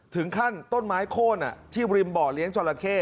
ถึงขั้นต้นไม้โค้นที่ริมบ่อเลี้ยงจราเข้